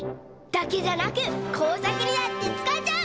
だけじゃなくこうさくにだってつかえちゃう！